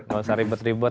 nggak usah ribet ribet